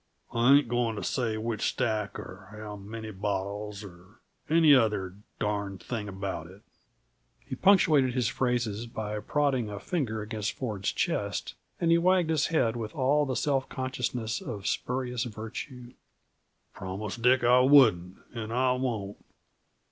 I ain't goin' to say which stack, or how many bottles or any other darn thing about it." He punctuated his phrases by prodding a finger against Ford's chest, and he wagged his head with all the self consciousness of spurious virtue. "Promised Dick I wouldn't, and I won't.